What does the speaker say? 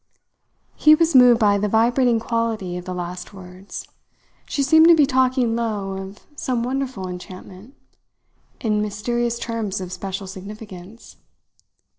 He was moved by the vibrating quality of the last words. She seemed to be talking low of some wonderful enchantment, in mysterious terms of special significance.